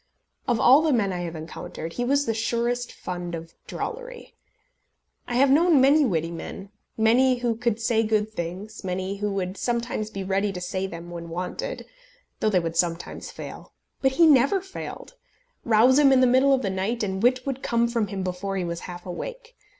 Of all the men I have encountered, he was the surest fund of drollery. I have known many witty men, many who could say good things, many who would sometimes be ready to say them when wanted, though they would sometimes fail; but he never failed. Rouse him in the middle of the night, and wit would come from him before he was half awake.